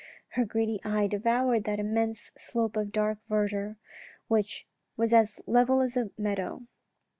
Her greedy eye devoured that immense slope of dark verdure which was as level as a meadow.